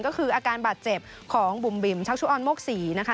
ก็คืออาการบาดเจ็บของบุ๋มบิ๋มชักชุออนโมกศรีนะคะ